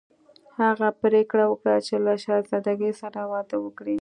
هغه پریکړه وکړه چې له شهزادګۍ سره واده وکړي.